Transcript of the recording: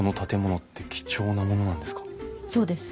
そうです。